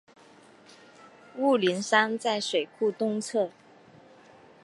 雾灵山在水库东侧。